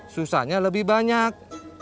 susahnya lebih banyak